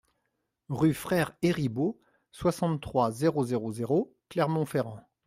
Rue Frère Héribaud, soixante-trois, zéro zéro zéro Clermont-Ferrand